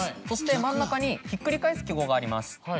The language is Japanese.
そして真ん中にひっくり返す記号があります。